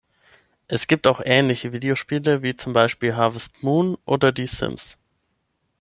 Es gibt auch ähnliche Videospiele, wie zum Beispiel Harvest Moon oder Die Sims.